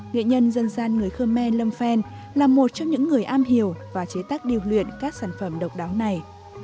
nghệ nhân dân gian người khơ me lâm phen là một trong những người am hiểu và chế tác điêu luyện các sản phẩm độc đáo này